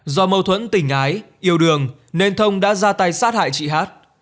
do mâu thuẫn tình ái yêu đường nên thông đã ra tay sát hại chị hát